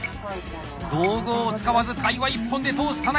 道具を使わず会話一本で通す田中！